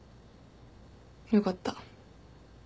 よかった。